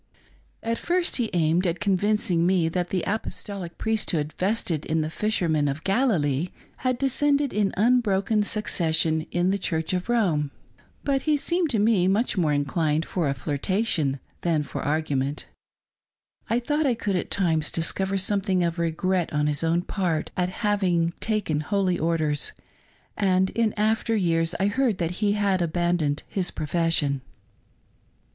At first he aimed at convincing me that the apostolic priesthood vested in the Fishermen of Galilee had descended in unbroken succession in the Church of Rome ; but he seemed to me much more inclined for a flirtation than for argument ; I thought I could at times discover something of regret on his own part at having taken holy orders; and in after years I heard, that he had abandoned his profession.